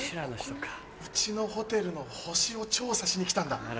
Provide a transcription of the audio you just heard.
うちのホテルの星を調査しに来たんだ。